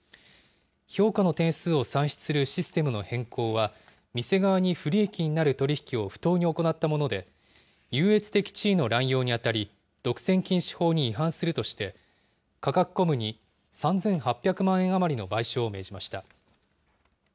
評価の点数を算出するシステムの変更は、店側に不利益になる取り引きを不当に行ったもので、優越的地位の乱用に当たり、独占禁止法に違反するとして、カカクコムに３８００万円余りの賠償を命じました。